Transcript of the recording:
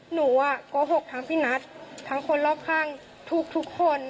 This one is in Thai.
หนูโกหกทั้งพี่นัททั้งคนรอบข้างทุกคน